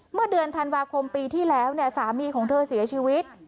เมื่อเดือนธันวาคมปีที่แล้วเนี่ยสามีของเธอเสียชีวิต